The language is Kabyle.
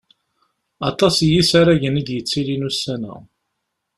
Aṭas n yisaragen i d-yettilin ussan-a.